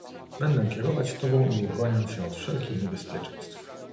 "Będę kierować tobą i uchronię cię od wszelkich niebezpieczeństw."